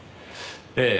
ええ。